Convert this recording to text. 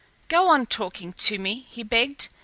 "Go on talking to me," he begged.